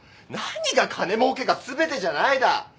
何が「金もうけが全てじゃない」だ。